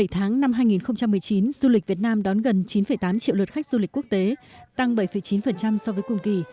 bảy tháng năm hai nghìn một mươi chín du lịch việt nam đón gần chín tám triệu lượt khách du lịch quốc tế tăng bảy chín so với cùng kỳ